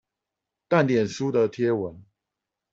但臉書的貼文